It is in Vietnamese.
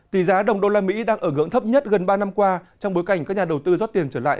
tỷ giá đồng usd đang ở ngưỡng thấp nhất gần ba năm qua trong bối cảnh các nhà đầu tư rót tiền trở lại